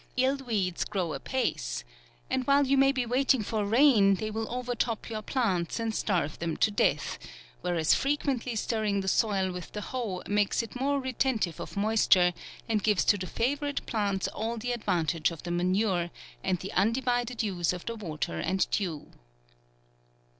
" 111 weeds grow apace ;" and while you may be waiting for rain, they will overtop your plants, and starve them to death ; whereas frequently stirring the soil with the hoe, makes it more retentive of moisture, and gives to the fa vourite plants all the advantage of the ma nure, and the undivided use of the water and dew.